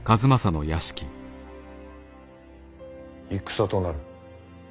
戦となる。